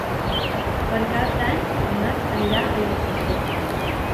Per Cap d'Any en Max anirà a l'Argentera.